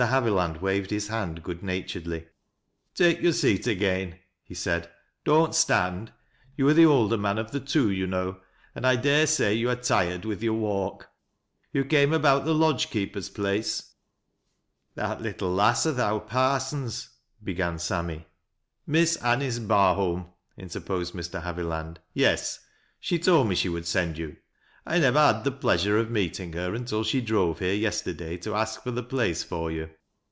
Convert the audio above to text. Haviland waved his hand good naturedly. "Take your seat again," he said. "Don't stand. You are the older man of the two, you know, and I dare say you are tired with your walk. You came about the lodge keeper's place ?"" That little lass o' th owd parson's " began Sammy. " Miss Anice Barholm," interposed Mr. Haviland. " Yes, she told me she would send you. I. never had the pleasure of seeing her until she drove here yesterday to ask for the place for you.